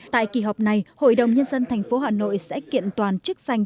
tại kỳ họp này hội đồng nhân dân tp hà nội sẽ kiện toàn chức danh